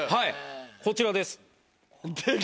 こちらです。